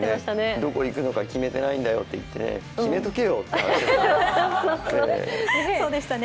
どこ行くのか決めてないんだよって言って決めとけよって話ですよね。